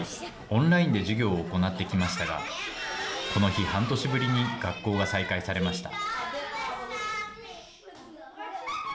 オンラインで授業を行ってきましたがこの日、半年ぶりに学校が再開されました。